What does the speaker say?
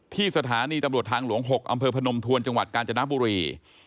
ที่สถานีตำรวจทางหลวง๖อำเภอพนมทวนจังหวัดกาญจนบุรี